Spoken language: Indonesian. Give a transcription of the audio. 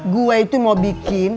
gue itu mau bikin